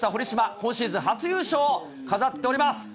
今シーズン初優勝を飾っております。